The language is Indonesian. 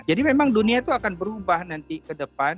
jadi memang dunia itu akan berubah nanti ke depan